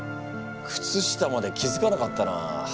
靴下まで気付かなかったな。